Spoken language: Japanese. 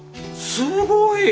すごい！